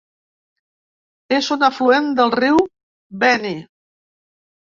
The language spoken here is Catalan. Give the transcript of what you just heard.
És un afluent del riu Beni.